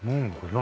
何？